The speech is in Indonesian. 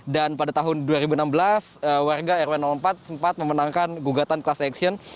dan pada tahun dua ribu enam belas warga rw enam puluh empat sempat memenangkan gugatan kelas eksien